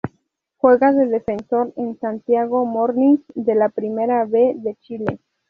Juega de defensor en Santiago Morning de la Primera B de Chile.